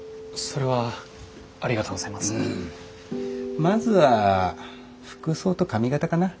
まずは服装と髪形かな。